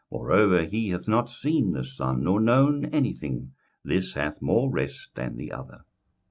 21:006:005 Moreover he hath not seen the sun, nor known any thing: this hath more rest than the other.